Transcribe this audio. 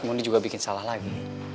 muni juga bikin salah lagi